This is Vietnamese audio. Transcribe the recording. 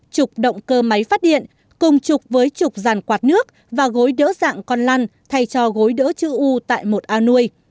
trục động cơ máy phát điện cùng trục với trục ràn quạt nước và gối đỡ dạng con lăn thay cho gối đỡ chữ u tại một ao nuôi